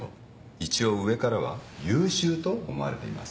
一応上からは優秀と思われています。